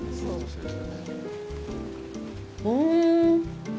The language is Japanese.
うん。